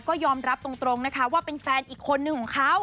ก็ยอมรับตรงนะคะว่าเป็นแฟนอีกคนนึงของเขา